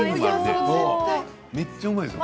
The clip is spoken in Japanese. めっちゃうまいですよ。